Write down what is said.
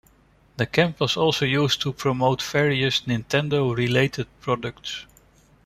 The camp was also used to promote various Nintendo-related products.